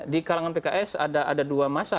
di kalangan pks ada dua masa